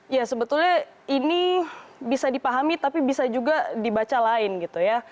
ya sebetulnya ini bisa dipahami tapi bisa juga dibaca lain gitu ya